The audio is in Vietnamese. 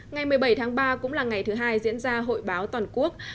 ngày một mươi bảy tháng ba cũng là ngày thứ hai diễn ra hội báo toàn quốc